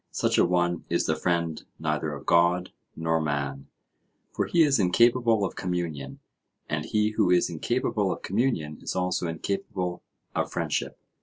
Such a one is the friend neither of God nor man, for he is incapable of communion, and he who is incapable of communion is also incapable of friendship.